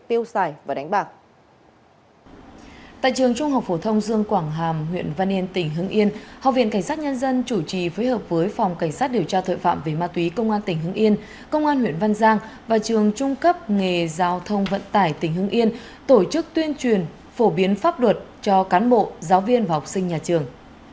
tại trường trung học phổ thông dương quảng hàm huyện văn yên tỉnh hưng yên học viện cảnh sát nhân dân chủ trì phối hợp với phòng cảnh sát điều tra thuệ phạm về ma túy công an tỉnh hưng yên công an huyện văn giang và trường trung cấp nghề giao thông vận tải tỉnh hưng yên tổ chức tuyên truyền phổ biến pháp luật cho cán bộ giáo viên và học sinh nhà trường